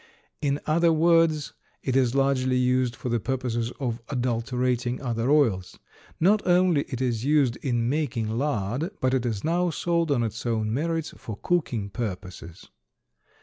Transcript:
In other words, it is largely used for the purposes of adulterating other oils. Not only is it used in making lard, but it is now sold on its own merits for cooking purposes.